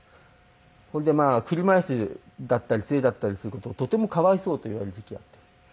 それで車イスだったり杖だったりする事をとても可哀想と言われる時期があって。